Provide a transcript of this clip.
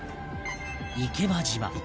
「池間島」